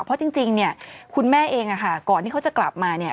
เพราะจริงจริงเนี้ยคุณแม่เองอ่ะค่ะก่อนที่เขาจะกลับมาเนี้ย